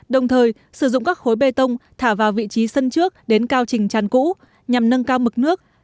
đồng thời sử dụng các khối bê tông thả vào vị trí sân trước đến cao trình tràn cũ nhằm nâng cao mực nước